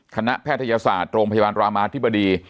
แพทยศาสตร์โรงพยาบาลรามาธิบดี